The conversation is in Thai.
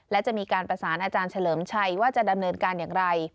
และจะมีการประสานอาจารย์เฉลิมชัยว่าจะดำเนินการอย่างไร